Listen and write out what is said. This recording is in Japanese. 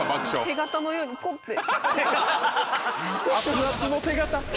手形のようにポッて。